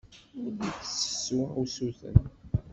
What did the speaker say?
Ur d-ittessu usuten.